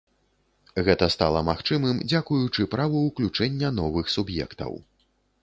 Гэта стала магчымым дзякуючы праву ўключэння новых суб'ектаў.